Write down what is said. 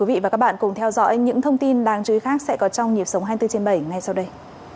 quý vị và các bạn cùng theo dõi những thông tin đáng chú ý khác sẽ có trong nhịp sống hai mươi bốn trên bảy ngay sau đây